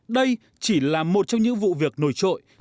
đây chỉ là một trong những vụ việc nổi trội